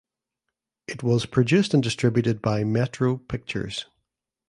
It was produced and distributed by Metro Pictures.